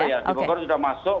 di bogor ya di bogor udah masuk